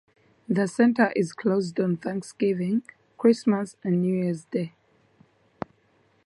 The center is closed on Thanksgiving, Christmas and New Years Day.